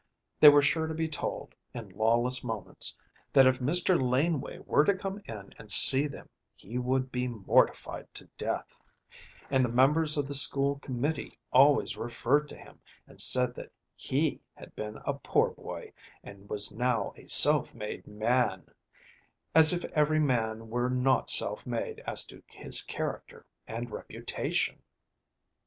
They were sure to be told, in lawless moments, that if Mr. Laneway were to come in and see them he would be mortified to death; and the members of the school committee always referred to him, and said that he had been a poor boy, and was now a self made man, as if every man were not self made as to his character and reputation!